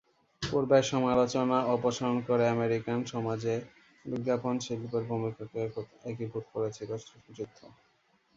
পূর্বের সমালোচনা অপসারণ করে আমেরিকান সমাজে বিজ্ঞাপন-শিল্পের ভূমিকাকে একীভূত করেছিল যুদ্ধ।